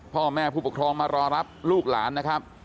พ่อแม่ผู้ปกครองมารอรับลูกหลานนะครับ